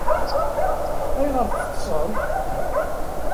Ayɣer teṭṭseḍ?